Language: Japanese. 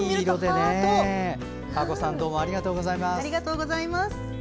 かーこさんどうもありがとうございます。